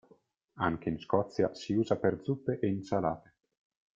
Anche in Scozia si usa per zuppe e insalate.